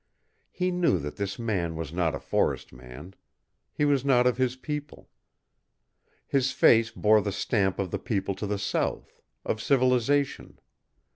He knew that this man was not a forest man. He was not of his people. His face bore the stamp of the people to the south, of civilization.